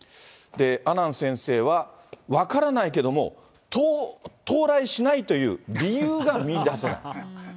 阿南先生は、分からないけども、到来しないという理由が見いだせない。